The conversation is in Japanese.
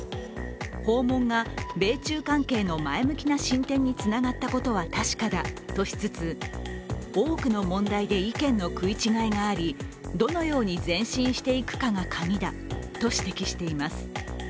訪問が米中関係の前向きな進展につながったことは確かだとしつつ、多くの問題で意見の食い違いがありどのように前進していくかがカギだと指摘しています。